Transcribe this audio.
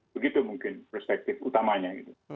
begitu mungkin perspektif utamanya